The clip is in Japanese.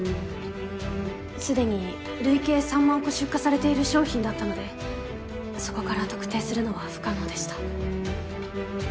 すでに累計３万個出荷されている商品だったのでそこから特定するのは不可能でした。